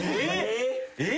・えっ！？